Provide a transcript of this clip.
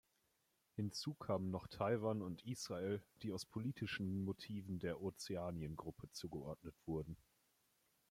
Hinzu kamen noch Taiwan und Israel, die aus politischen Motiven der Ozeanien-Gruppe zugeordnet wurden.